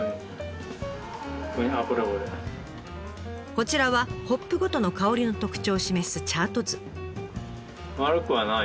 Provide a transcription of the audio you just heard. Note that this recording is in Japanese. こちらはホップごとの香りの特徴を示すチャート図。